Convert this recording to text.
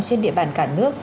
trên địa bàn cả nước